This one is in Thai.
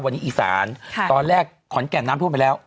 วันนี้อีสานตอนแรกขอนแก่นน้ำท่วมไปแล้ว